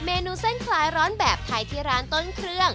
เมนูเส้นคลายร้อนแบบไทยที่ร้านต้นเครื่อง